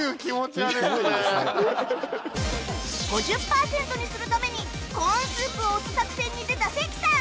５０パーセントにするためにコーンスープを推す作戦に出た関さん